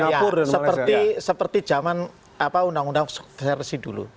ya seperti zaman undang undang versi dulu